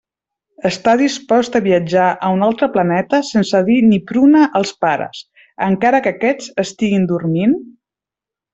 Està dispost a viatjar a un altre planeta sense dir ni pruna als pares, encara que aquests estiguen dormint?